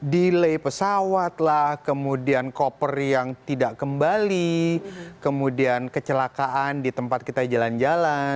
delay pesawat lah kemudian koper yang tidak kembali kemudian kecelakaan di tempat kita jalan jalan